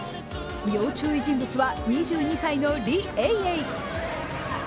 要注意人物は２２歳のリ・エイエイ。